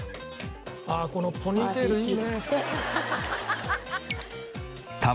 ああこのポニーテールいいね。